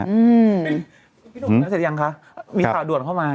พี่หนุ่มเสร็จยังคะมีข่าวด่วนเข้ามา